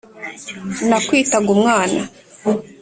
Nakwitaga umwana